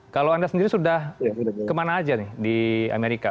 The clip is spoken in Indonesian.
kalau anda sendiri sudah kemana aja nih di amerika